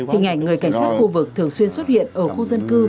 hình ảnh người cảnh sát khu vực thường xuyên xuất hiện ở khu dân cư